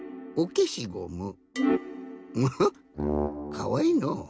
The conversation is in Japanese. かわいいのう。